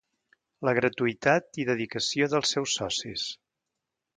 La gratuïtat i dedicació dels seus socis.